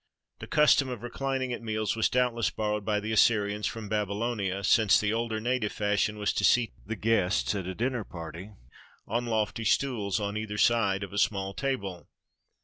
The custom of reclining at meals was doubtless borrowed by the Assyrians from Babylonia, since the older native fashion was to seat the guests at a dinner party on lofty stools on either side of a small table.